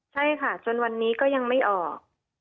ใช่ค่ะจนวันนี้ก็ยังไม่ออก